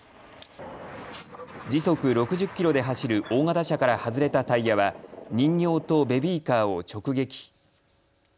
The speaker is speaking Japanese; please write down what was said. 時速６０キロで走る大型車から外れたタイヤは人形とベビーカーを直撃。